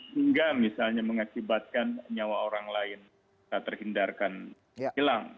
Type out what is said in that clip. hingga misalnya mengakibatkan nyawa orang lain tak terhindarkan hilang